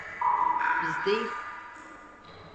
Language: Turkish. Biz değil.